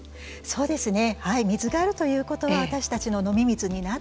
そうですか。